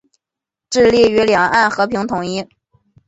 致力于两岸和平统一。